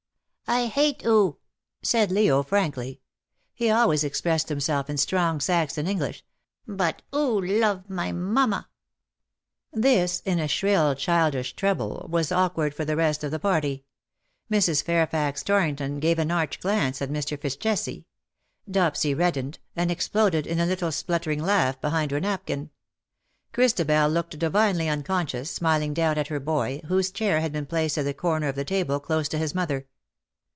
"I hate ^oo/' said Leo, frankly — he always ex pressed himself in strong Saxon English —^' but ^oo love my mamma." This, in a shrill childish treble, was awkward for the rest of the party. Mrs. Fairfax Torrington gave an arch glance at Mr. Fitz Jesse. Dopsy reddened, and exploded in a little spluttering laugh behind her napkin. Christabel looked divinely un conscious, smiling down at her boy, whose chair had been placed at the corner of the table close to his mother.